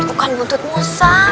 bukan buntut musang